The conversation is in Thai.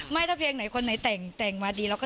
ไม่ถ้าเพลงไหนคนไหนแต่งมาดีแล้วก็